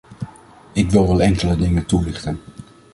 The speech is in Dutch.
Ik wil wel enkele dingen toelichten.